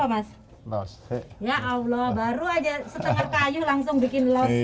ya allah baru aja setengah kayu langsung bikin loss